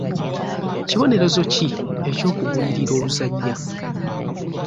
Kibonerezo ki eky'okugulirira oluzannya.